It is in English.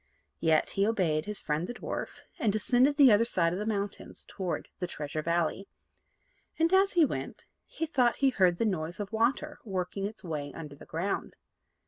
Yet he obeyed his friend the dwarf, and descended the other side of the mountains toward the Treasure Valley; and, as he went, he thought he heard the noise of water working its way under the ground.